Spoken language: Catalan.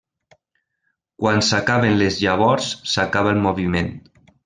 Quan s'acaben les llavors s'acaba el moviment.